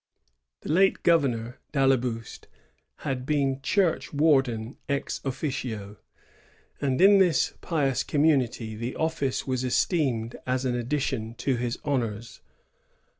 ^ The late governor, d' AiUeboust, had been church warden ex officio ;^ and in this pious community the ofQce was esteemed as an addition to his honors.